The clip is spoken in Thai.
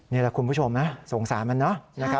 นี่แหละคุณผู้ชมนะสงสารมันเนอะ